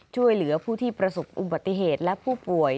ช่วยเหลือผู้ที่ประสบอุบัติเหตุและผู้ป่วย